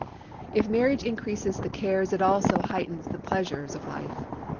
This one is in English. If marriage increases the cares it also heightens the pleasures of life.